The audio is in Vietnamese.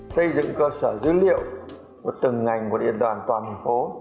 xây dựng cơ sở dữ liệu của từng ngành của điện đoàn toàn thành phố